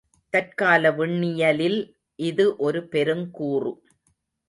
தற்கால விண்ணியலில் இது ஒரு பெருங்கூறு.